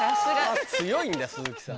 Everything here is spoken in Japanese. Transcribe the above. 強いんだ鈴木さん。